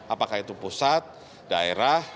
apakah itu pusat daerah